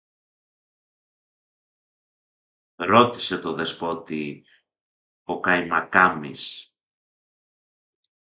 Ρώτησε το Δεσπότη ο Καϊμακάμης: